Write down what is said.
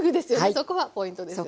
そこはポイントですよね。